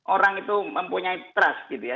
orang itu mempunyai trust gitu ya